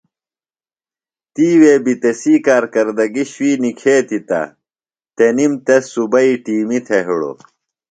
تِیوے بیۡ تسی کارکردگیۡ شُوئی نِکھتیۡ تہ تنِم تس صوبئی ٹِیمیۡ تھےۡ ہِڑو۔